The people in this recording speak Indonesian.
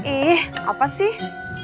ih apa sih